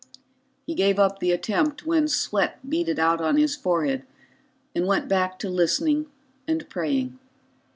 He gave up the attempt when sweat beaded out on his forehead and went back to listening and praying.